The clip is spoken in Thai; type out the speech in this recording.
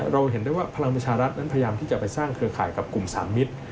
เราเห็นได้ว่าพลังประชารัฐนั้นพยายามที่จะไปสร้างเครือข่ายกับกลุ่มสามมิตร